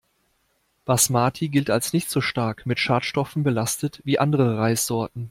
Basmati gilt als nicht so stark mit Schadstoffen belastet wie andere Reissorten.